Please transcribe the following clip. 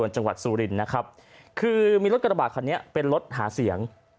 จังหวัดสุรินนะครับคือมีรถกระบาดคันนี้เป็นรถหาเสียง